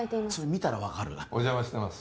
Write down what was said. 見たら分かるお邪魔してます